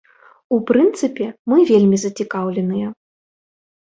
У прынцыпе, мы вельмі зацікаўленыя.